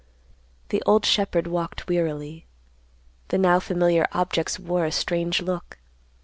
The old shepherd walked wearily; the now familiar objects wore a strange look.